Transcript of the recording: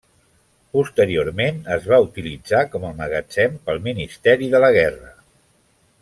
Posteriorment es va utilitzar com a magatzem pel Ministeri de la Guerra.